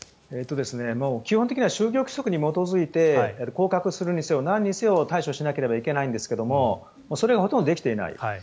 基本的には就業規則に基づいて降格するにせよなんにせよ対処しなければいけないんですがそれがほとんどできていない。